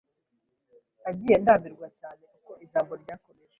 Nagiye ndambirwa cyane uko ijambo ryakomeje.